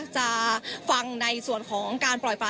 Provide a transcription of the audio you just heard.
จะฟังในส่วนของการปล่อยป่า